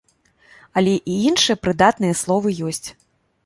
Але і іншыя прыдатныя словы ёсць.